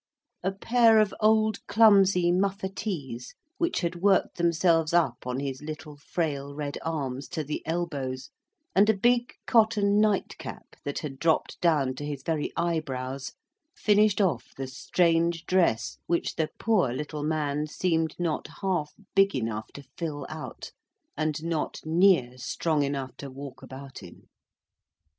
A pair of old clumsy muffetees, which had worked themselves up on his little frail red arms to the elbows, and a big cotton nightcap that had dropped down to his very eyebrows, finished off the strange dress which the poor little man seemed not half big enough to fill out, and not near strong enough to walk about in.